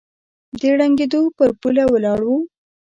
د ړنګېدو پر پوله ولاړ و